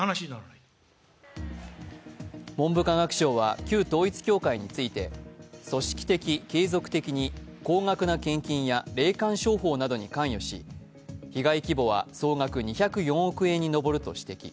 文部科学省は旧統一教会について組織的・継続的に高額な献金や霊感商法などに関与し、被害規模は総額２０４億円に上ると指摘。